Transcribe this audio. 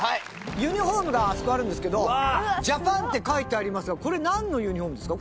ユニフォームがあそこあるんですけど「ＪＡＰＡＮ」って書いてありますがこれなんのユニフォームですか？